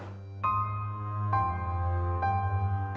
วิธีบทวานมาแล้ว